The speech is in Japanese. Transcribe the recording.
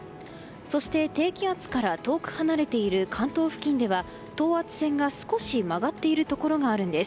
そして低気圧から遠く離れている関東付近では等圧線が少し曲がっているところがあるんです。